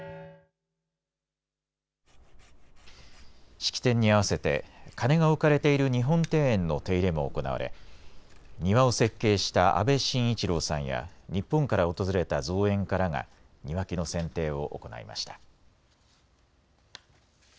式典に合わせて鐘が置かれている日本庭園の手入れも行われ庭を設計した阿部紳一郎さんや日本から訪れた造園家らが庭木のせんていを行いました。